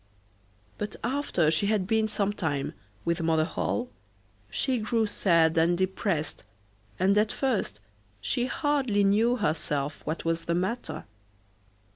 But after she had been some time with Mother Holle she grew sad and depressed, and at first she hardly knew herself what was the matter.